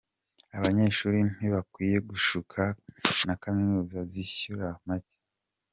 Abanyeshuri ntibakwiye gushukwa na Kaminuza zishyura make.